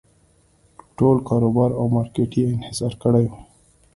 ټول کاروبار او مارکېټ یې انحصار کړی و.